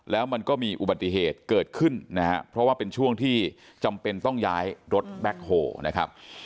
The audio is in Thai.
แล้วมันก็มีอุบัติเหตุเกิดขึ้นนะฮะเพราะว่าเป็นช่วงที่จำเป็นต้องย้ายรถแบ็คโฮนะครับ